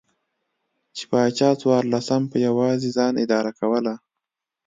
چې پاچا څوارلسم په یوازې ځان اداره کوله.